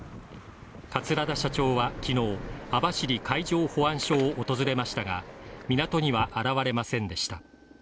桂田社長は昨日、網走海上保安署を訪れましたが、港には現れませんでした。